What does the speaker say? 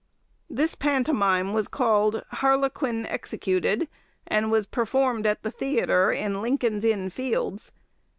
This pantomime was called 'Harlequin Executed,' and was performed at the theatre in Lincoln's Inn Fields.